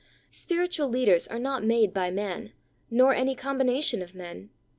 Spiritual leaders are not made by man, *»or any combination of men.